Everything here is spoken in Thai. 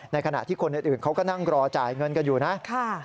ขณะที่คนอื่นเขาก็นั่งรอจ่ายเงินกันอยู่นะ